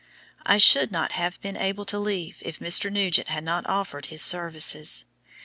I should not have been able to leave if Mr. Nugent had not offered his services.